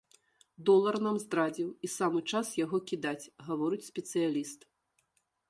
Долар нам здрадзіў, і самы час яго кідаць, гаворыць спецыяліст.